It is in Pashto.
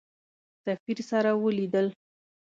سفیر سره ولیدل.